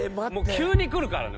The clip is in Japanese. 急にくるからね。